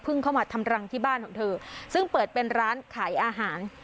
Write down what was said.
เข้ามาทำรังที่บ้านของเธอซึ่งเปิดเป็นร้านขายอาหาร